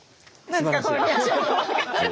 すばらしい！